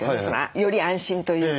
より安心というか。